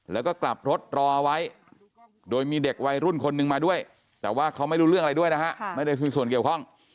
แล้วก็กลับรถรอไว้โดยมีเด็กวัยรุ่นคนนึงมาด้วยแต่ว่าเขาไม่รู้เรื่องอะไรด้วยนะฮะไม่ได้มีส่วนเกี่ยวข้อง